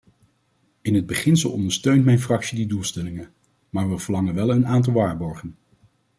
In beginsel ondersteunt mijn fractie die doelstellingen, maar we verlangen wel een aantal waarborgen.